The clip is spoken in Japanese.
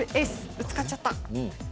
ぶつかっちゃった！